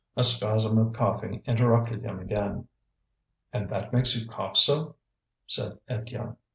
A spasm of coughing interrupted him again. "And that makes you cough so?" said Étienne.